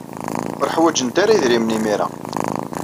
Ur ḥwajent ara idrimen imir-a.